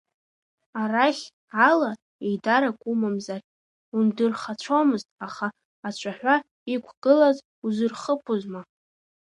Арахь ала, еидарак умамзар, ундырхацәомызт, аха ацәаҳәа иқәгылаз узырхыԥозма.